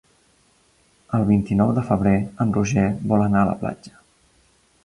El vint-i-nou de febrer en Roger vol anar a la platja.